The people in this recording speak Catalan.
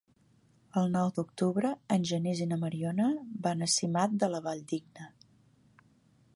El nou d'octubre en Genís i na Mariona van a Simat de la Valldigna.